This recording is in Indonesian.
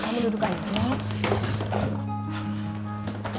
gak apa apa ini luka kecil aja gak apa apa